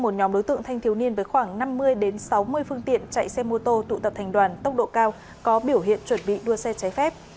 một nhóm đối tượng thanh thiếu niên với khoảng năm mươi sáu mươi phương tiện chạy xe mô tô tụ tập thành đoàn tốc độ cao có biểu hiện chuẩn bị đua xe trái phép